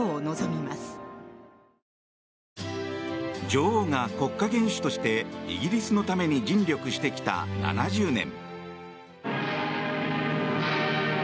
女王が国家元首としてイギリスのために尽力してきた７０年。